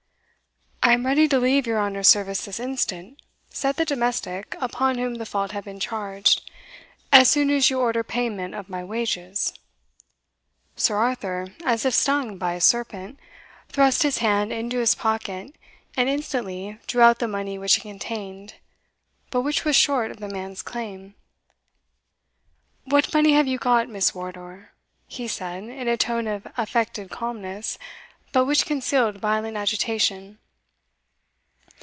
"I am ready to leave your honour's service this instant," said the domestic upon whom the fault had been charged, "as soon as you order payment of my wages." Sir Arthur, as if stung by a serpent, thrust his hand into his pocket, and instantly drew out the money which it contained, but which was short of the man's claim. "What money have you got, Miss Wardour?" he said, in a tone of affected calmness, but which concealed violent agitation.